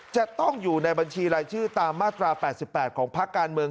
จะต้องอยู่ในบัญชีรายชื่อตามมาตรา๘๘ของพักการเมือง